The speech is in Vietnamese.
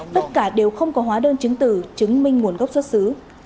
tất cả đều không có hóa đơn chứng tử chứng minh nguồn gốc xuất xứ